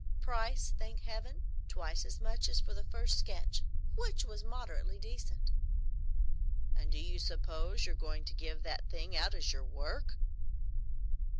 Price, thank Heaven, twice as much as for the first sketch, which was moderately decent." "And do you suppose you're going to give that thing out as your work?"